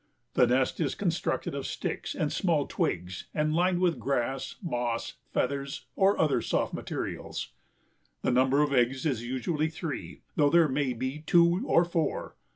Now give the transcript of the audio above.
The nest is constructed of sticks and small twigs and lined with grass, moss, feathers or other soft materials. The number of eggs is usually three, though there may be two or four.